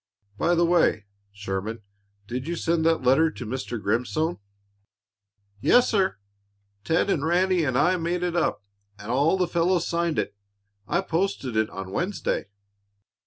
By the way, Sherman, did you send that letter to Mr. Grimstone?" "Yes, sir. Ted and Ranny and I made it up, and all the fellows signed it. I posted it on Wednesday."